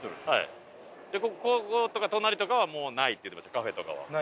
こことか隣とかはもうないって言ってましたカフェとかは。